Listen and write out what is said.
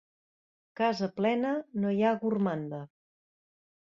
Casa plena, no hi ha gormanda.